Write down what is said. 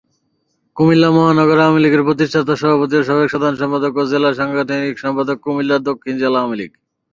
কুমিল্লা মহানগর আওয়ামীলীগের প্রতিষ্ঠাতা সভাপতি ও সাবেক সাধারণ সম্পাদক ও সাংগঠনিক সম্পাদক কুমিল্লা দক্ষিণ জেলা আওয়ামীলীগ।